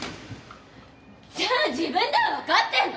じゃあ自分ではわかってるの？